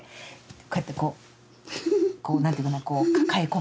こうやってこうこう何て言うかな抱え込む。